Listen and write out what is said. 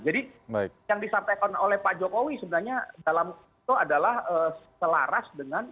jadi yang disampaikan oleh pak jokowi sebenarnya dalam itu adalah selaras dengan